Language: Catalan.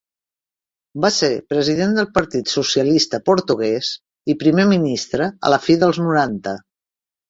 Va ser president del Partit Socialista Portuguès i primer ministre a la fi dels noranta.